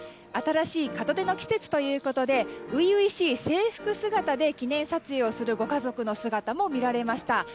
新しい門出の季節ということで初々しい制服姿で記念撮影するご家族の姿も見られました。